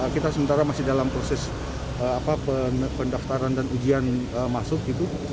kita sementara masih dalam proses pendaftaran dan ujian masuk gitu